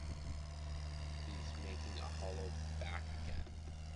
He’s making a hollow back again.